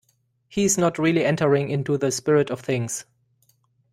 He's not really entering into the spirit of things.